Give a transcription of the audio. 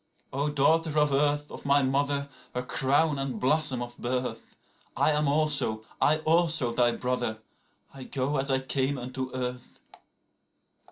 93O daughter of earth, of my mother, her crown and blossom of birth,94I am also, I also, thy brother; I go as I came unto earth.